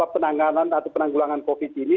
penanganan atau penanggulangan covid ini